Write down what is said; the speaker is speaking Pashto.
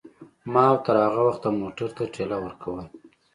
ما او تر هغه وخته موټر ته ټېله ورکوله.